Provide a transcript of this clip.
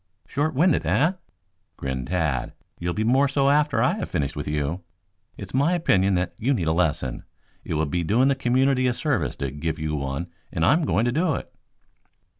"Short winded, eh?" grinned Tad. "You'll be more so after I have finished with you. It's my opinion that you need a lesson. It will be doing the community a service to give you one and I'm going to do it."